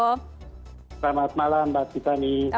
selamat malam mbak titani